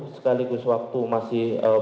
sekaligus waktu masih